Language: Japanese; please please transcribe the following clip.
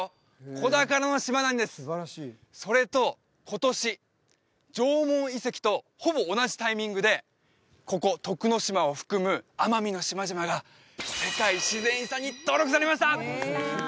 子宝の島なんですそれと今年縄文遺跡とほぼ同じタイミングでここ徳之島を含む奄美の島々が世界自然遺産に登録されました！